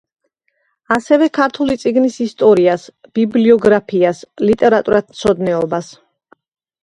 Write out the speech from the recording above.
ასევე ქართული წიგნის ისტორიას, ბიბლიოგრაფიას, ლიტერატურათმცოდნეობას.